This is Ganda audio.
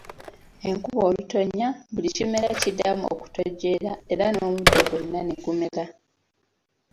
Enkuba olutonya, buli kimera kiddamu okutojjera era n'omuddo gwonna ne gumera.